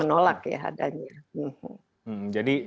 menolak ya adanya